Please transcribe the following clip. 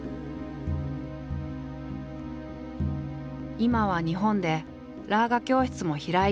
今は日本でラーガ教室も開いているテリー。